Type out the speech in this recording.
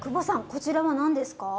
こちらは何ですか？